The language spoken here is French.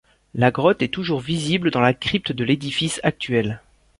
La grotte est toujours visible dans la crypte de l'édifice actuel.